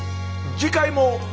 次回も。